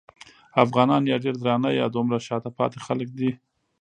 افغانان یا ډېر درانه یا دومره شاته پاتې خلک دي.